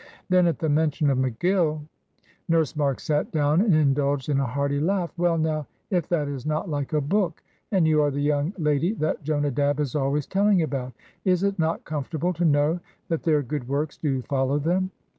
Then, at the mention of McGill, Nurse Marks sat down and indulged in a hearty laugh. "Well, now, if that is not like a book! And you are the young lady that Jonadab is always telling about! Is it not comfortable to know that 'their good works do follow them'?